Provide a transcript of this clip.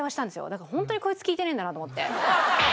だからホントにこいつ聞いてねえんだなと思って。